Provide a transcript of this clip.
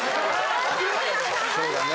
そうだね。